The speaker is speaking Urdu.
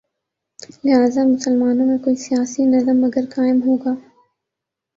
لہذا مسلمانوں میں کوئی سیاسی نظم اگر قائم ہو گا۔